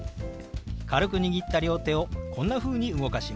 軽く握った両手をこんなふうに動かします。